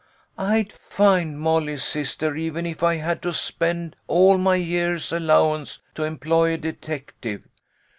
I'd find Molly's sister even if I had to spend all my year's allowance to employ a detective.